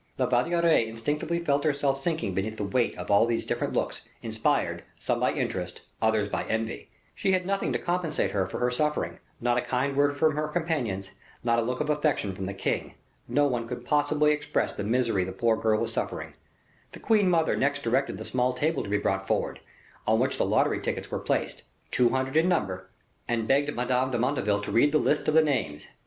La Valliere instinctively felt herself sinking beneath the weight of all these different looks, inspired, some by interest, others by envy. She had nothing to compensate her for her sufferings, not a kind word from her companions, nor a look of affection from the king. No one could possibly express the misery the poor girl was suffering. The queen mother next directed the small table to be brought forward, on which the lottery tickets were placed, two hundred in number, and begged Madame de Motteville to read the list of the names.